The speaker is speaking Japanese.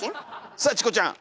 さあチコちゃん！